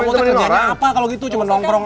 gak perlu ditemenin ke orang